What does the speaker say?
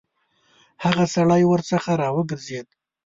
هغه سړی ورڅخه راوګرځېد.